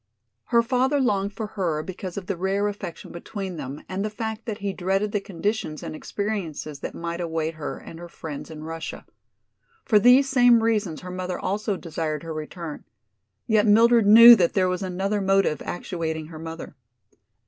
Her father longed for her because of the rare affection between them and the fact that he dreaded the conditions and experiences that might await her and her friends in Russia. For these same reasons her mother also desired her return, yet Mildred knew that there was another motive actuating her mother.